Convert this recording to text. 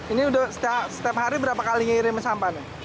ini setiap hari berapa kali ngirim sampah